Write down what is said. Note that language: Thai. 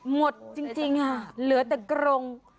หมดจริงเหลือแต่กรง